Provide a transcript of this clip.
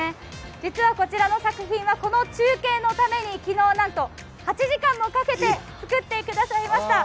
実はこちらの作品はこの中継のために昨日、なんと８時間もかけて作ってくださいました。